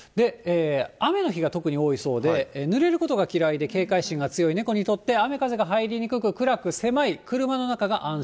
雨の日が特に多いそうで、ぬれることが嫌いで、警戒心が強い猫にとって、雨風が入りにくく、暗く狭い車の中が安心。